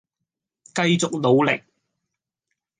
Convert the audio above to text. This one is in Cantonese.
繼續努力